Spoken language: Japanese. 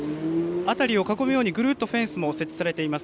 辺りを囲むようにぐるっとフェンスが設置されています。